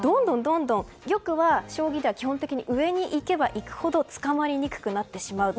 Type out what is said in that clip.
玉は将棋では基本的に上に行けばいくほどつかまりにくくなってしまうと。